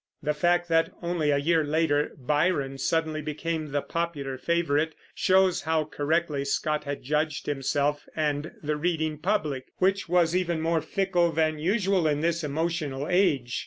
The fact that, only a year later, Byron suddenly became the popular favorite, shows how correctly Scott had judged himself and the reading public, which was even more fickle than usual in this emotional age.